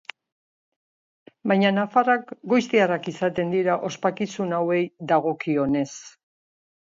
Baina nafarrak goiztiarrak izaten dira ospakizun hauei dagokionez.